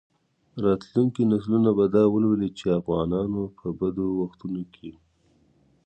راتلونکي نسلونه به دا ولولي چې افغانانو په بدو وختونو کې.